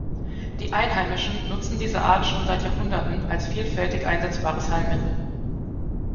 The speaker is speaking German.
Die Einheimischen nutzen diese Art schon seit Jahrhunderten als vielfältig einsetzbares Heilmittel.